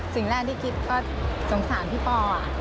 สิ่งแรกที่คิดก็สงสารพี่ปอ